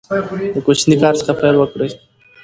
د کوچني کار څخه پیل وکړئ.